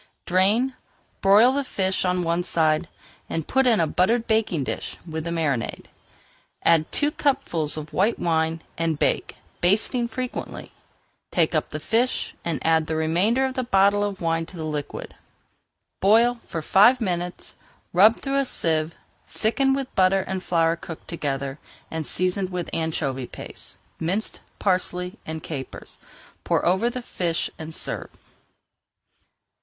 Drain, broil the fish on one side, and put in a buttered baking dish with the marinade. Add two cupfuls of white wine, and [Page 430] bake, basting frequently. Take up the fish, and add the remainder of the bottle of wine to the liquid. Boil for five minutes, rub through a sieve, thicken with butter and flour cooked together, season with anchovy paste, minced parsley, and capers. Pour over the fish and serve.